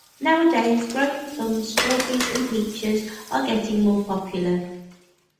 Nowadays, growing plums, strawberries, and peaches are getting more popular.